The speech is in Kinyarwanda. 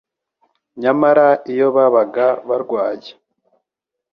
Nyamara iyo babaga barwaye